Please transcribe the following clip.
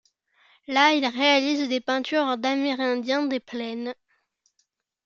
Là, il réalise des peintures d'amérindiens des Plaines.